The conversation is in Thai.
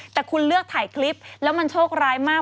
แต่คุณเลือกถ่ายคลิปแล้วมันโชคร้ายมาก